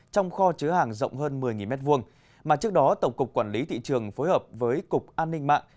trong kho chứa hàng rộng hơn một mươi m hai mà trước đó tổng cục quản lý thị trường phối hợp với cục an ninh mạng